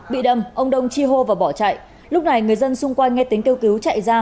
bị đâm ông đông chi hô và bỏ chạy lúc này người dân xung quanh nghe tính kêu cứu chạy ra